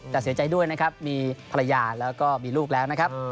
แต่เสียใจด้วยนะครับมีภรรยาแล้วก็มีลูกแล้วนะครับ